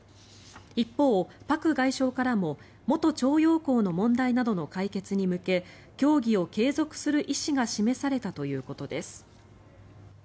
一方、パク外相からも元徴用工の問題などの解決に向け協議を継続する意思が示されたということです。